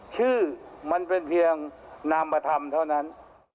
ชื่อมันเป็นเพียงนามธรรมเท่านั้น